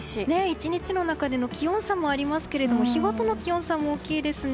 １日の中での気温差もありますが日ごとの気温差も大きいですね。